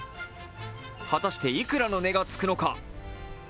果たしていくらの値がつくのか。